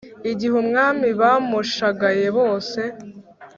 Igihe umwami bamushagaye bose